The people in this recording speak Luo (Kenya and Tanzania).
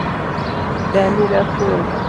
Dani rafuok